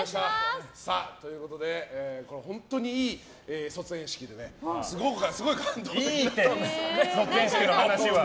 ということで本当にいい卒園式でねいいって。